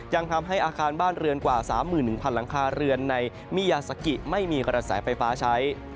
ยังทำให้อาคารบ้านเรือนกว่า๓๑๐๐๐หลังคาเรือนในมิยาซากิไม่มีกระแสไฟฟ้าใช้